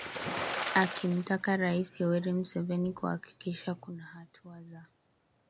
akimtaka Rais Yoweri Museveni kuhakikisha kuna hatua za